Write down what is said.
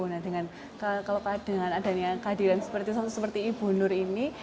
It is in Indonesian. nah dengan kehadiran seperti ibu nur ini